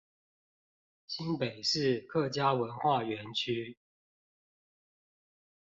新北市客家文化園區